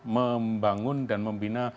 membangun dan membina